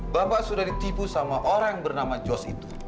bapak sudah ditipu sama orang bernama jos itu